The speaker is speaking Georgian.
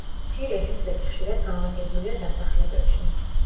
მცირე ჰესები ხშირად განლაგებულია დასახლებებში.